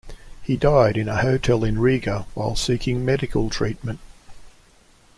He died in a hotel in Riga while seeking medical treatment.